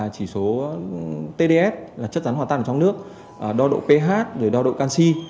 chỉ số tds là chất rắn hoạt tăng trong nước đo độ ph đo độ canxi